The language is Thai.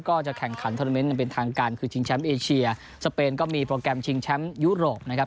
ก็จะแข่งขันโทรเมนต์อย่างเป็นทางการคือชิงแชมป์เอเชียสเปนก็มีโปรแกรมชิงแชมป์ยุโรปนะครับ